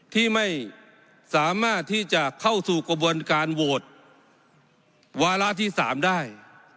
ที่ไม่สามารถที่จะเข้าสู่กระบวนการโหวตวาระที่๓ได้